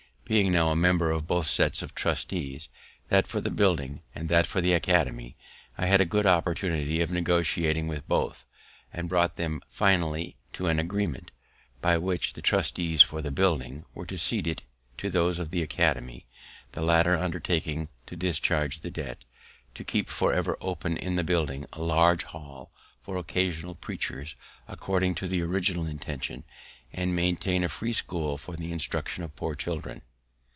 Being now a member of both sets of trustees, that for the building and that for the academy, I had a good opportunity of negotiating with both, and brought them finally to an agreement, by which the trustees for the building were to cede it to those of the academy, the latter undertaking to discharge the debt, to keep forever open in the building a large hall for occasional preachers, according to the original intention, and maintain a free school for the instruction of poor children.